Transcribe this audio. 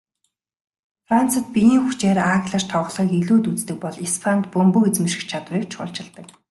Францад биеийн хүчээр ааглаж тоглохыг илүүд үздэг бол Испанид бөмбөг эзэмших чадварыг чухалчилдаг.